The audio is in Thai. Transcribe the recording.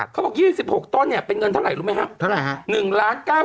เขาบอก๒๖ต้นเนี่ยเป็นเงินเท่าไหร่รู้ไหมครับเท่าไหร่ฮะ